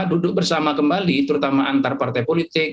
duduk bersama kembali terutama antar partai politik